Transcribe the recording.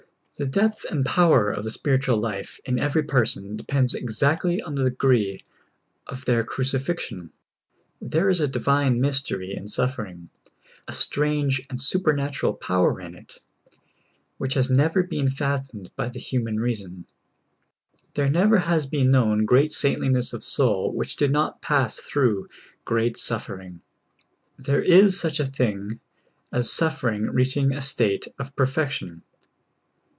The depth and power of the spiritual life in every person depends exactly on the degree of their cruci fixion. There is a divine mystery in suffering, a strange and supernatural power in it, which has never been fathomed by the human reason. There never has been known great saintlincvss of soul which did not pass through great suffering. There is such a thing as suffering reaching a state of perfection.